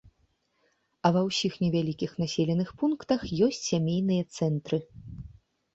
А ва ўсіх невялікіх населеных пунктах ёсць сямейныя цэнтры.